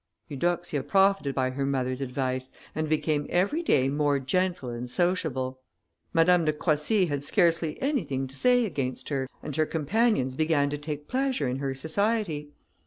Eudoxia profited by her mother's advice, and became every day more gentle and sociable. Madame de Croissy had scarcely anything to say against her, and her companions began to take pleasure in her society.